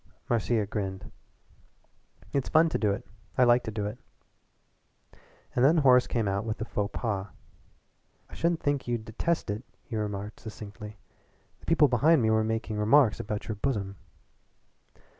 Marcia grinned. "It's fun to do it. I like to do it." And then Horace came out with a FAUX PAS. "I should think you'd detest it," he remarked succinctly. "The people behind me were making remarks about your bosom."